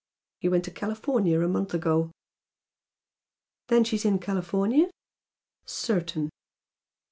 He went to California a month ago." "Then she's in California?" "Certain!"